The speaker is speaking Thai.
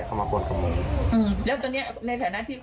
แล้วเหมือนกันไง